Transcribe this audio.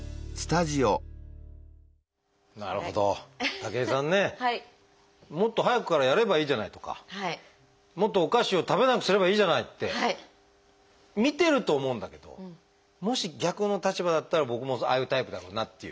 武井さんねもっと早くからやればいいじゃないとかもっとお菓子を食べなくすればいいじゃないって見てると思うんだけどもし逆の立場だったら僕もああいうタイプだろうなっていう。